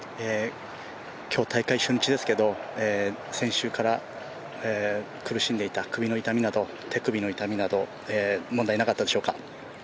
今日大会初日ですけど、先週から苦しんでいた首の痛みなど、手首の痛みなど問題なかったでしょうか。